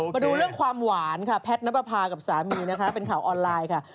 มาดูเรื่องความหวานค่ะแพทย์นับประพากับสามีนะคะเป็นข่าวออนไลน์ค่ะ